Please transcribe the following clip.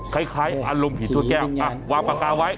คล้ายอารมณ์ผีทั่วแก้ววางปากกาไว้